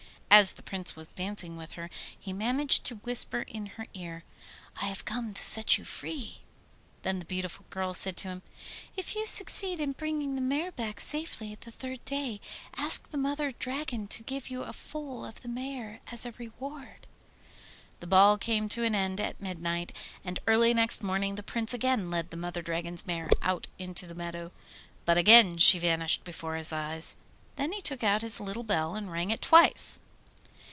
As the Prince was dancing with her he managed to whisper in her ear, 'I have come to set you free!' Then the beautiful girl said to him, 'If you succeed in bringing the mare back safely the third day, ask the Mother Dragon to give you a foal of the mare as a reward.' The ball came to an end at midnight, and early next morning the Prince again led the Mother Dragon's mare out into the meadow. But again she vanished before his eyes. Then he took out his little bell and rang it twice.